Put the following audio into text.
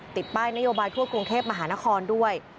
ติดป้ายนโยบายทั่วกรุงเทพมหานครด้วย